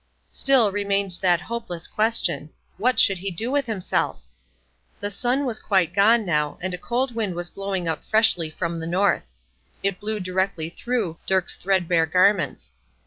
Still remained that hopeless question: What should he do with himself? The sun was quite gone now, and a cold wind was blowing up freshly from the north. It blew directly through Dirk's threadbare garments.